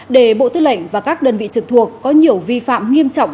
để bộ tư lệnh và các đơn vị trực thuộc có nhiều vi phạm nghiêm trọng